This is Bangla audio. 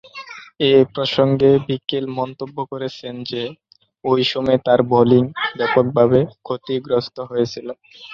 এ প্রসঙ্গে বিকেল মন্তব্য করেছেন যে, ঐ সময়ে তার বোলিং ব্যাপকভাবে ক্ষতিগ্রস্ত হয়েছিল।